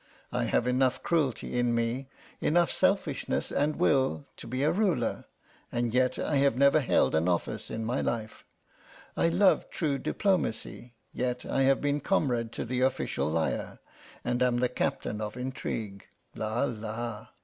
I have enough cruelty in me, enough selfishness and will, to be a ruler, and yet I have never held an office in my life. I love true diplomacy, yet I have been comrade to the official liar, and am the captain of intrigue la! la!"